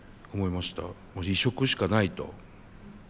もう移植しかないと。